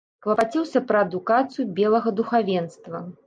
Клапаціўся пра адукацыю белага духавенства.